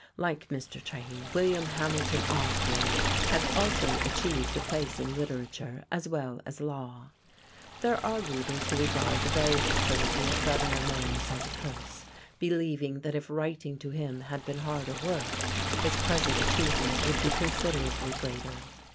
Like Mr. Train, William Hamilton Osborne has also achieved a place in Literature as well as Law. [Illustration: ARTHUR TRAIN] There are readers who regard the very facility of Gouverneur Morris as a curse, believing that if writing to him had been harder work, his present achievement would be considerably greater.